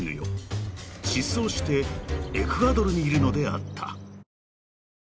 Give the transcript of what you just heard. ［失踪してエクアドルにいるのであった］